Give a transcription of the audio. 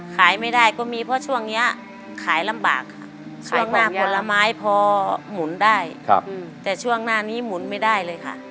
ขายไม่ได้ก็มีเพราะช่วงนี้ขายลำบากค่ะช่วงหน้าผลไม้พอหมุนได้แต่ช่วงหน้านี้หมุนไม่ได้เลยค่ะ